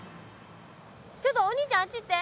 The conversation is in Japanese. ちょっとお兄ちゃんあっち行って。